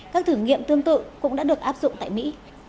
các thử nghiệm tương tự cũng đã được áp dụng tại mỹ